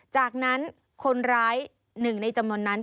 จากนั้นคนร้ายหนึ่งในจำนวนนั้น